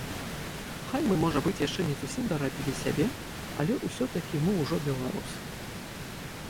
Хай мы, можа быць, яшчэ не зусім дарабілі сябе, але ўсё-такі мы ўжо беларусы.